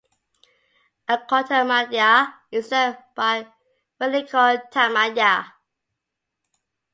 A kotamadya is led by a walikotamadya.